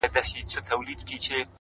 پوه انسان د زده کړې سفر نه بندوي,